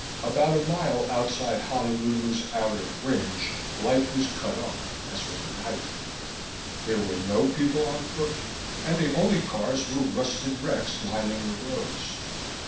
About a mile outside Honolulu's outer fringe, life was cut off as with a knife. There were no people on foot, and the only cars were rusted wrecks lining the roads.